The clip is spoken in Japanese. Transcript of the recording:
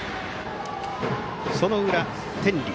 その裏、天理。